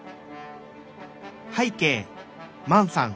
「拝啓万さん